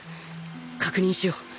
確認しよう